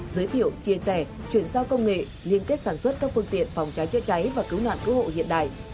giới thiệu chia sẻ chuyển giao công nghệ liên kết sản xuất các phương tiện phòng cháy chữa cháy và cứu nạn cứu hộ hiện đại